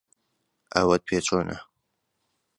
ئەوەت پێ چۆنە؟